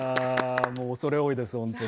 恐れ多いです、本当に。